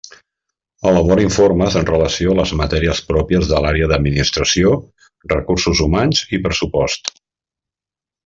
Elabora informes en relació a les matèries pròpies de l'àrea d'Administració, Recursos Humans i pressupost.